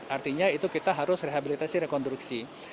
artinya itu kita harus rehabilitasi rekonstruksi